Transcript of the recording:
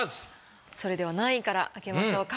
それでは何位から開けましょうか？